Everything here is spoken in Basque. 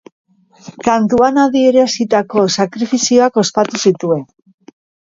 Kantuan adierazitako sakrifizioak ospatu zituen.